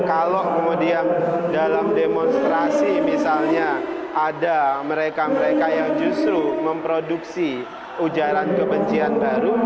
kalau kemudian dalam demonstrasi misalnya ada mereka mereka yang justru memproduksi ujaran kebencian baru